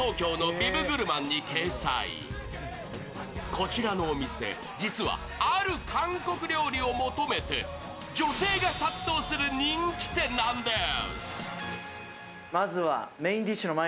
こちらのお店、実はある韓国料理を求めて女性が殺到する人気店なんです。